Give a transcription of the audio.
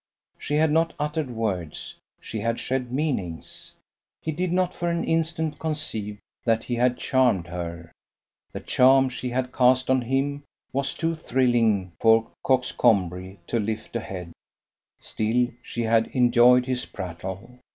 She had not uttered words, she had shed meanings. He did not for an instant conceive that he had charmed her: the charm she had cast on him was too thrilling for coxcombry to lift a head; still she had enjoyed his prattle.